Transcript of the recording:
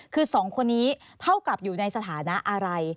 คือสองคนนี้เท่ากับอยู่ในสถานะอะไร